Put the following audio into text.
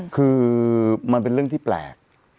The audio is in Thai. คือมันเป็นเรื่องที่แปลก